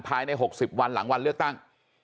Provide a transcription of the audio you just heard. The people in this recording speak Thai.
ภายใน๖๐วันหลังวันเลือกตั้ง